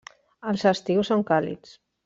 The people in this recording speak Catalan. Els estius són càlids.